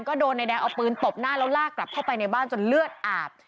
ก็โดนนายแดงเอาปืนตบหน้าแล้วลากกลับเข้าไปในบ้านจนเลือดอาบ